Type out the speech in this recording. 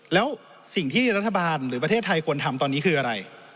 แล้วสิ่งที่รัฐบาลหรือประเทศไทยควรทำตอนนี้คืออะไร